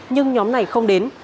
nhưng nhóm này không đến